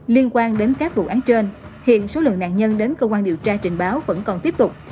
liên quan đến các vụ án trên hiện số lượng nạn nhân đến cơ quan điều tra trình báo vẫn còn tiếp tục